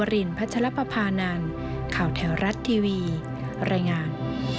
รัททีวีแรงงาม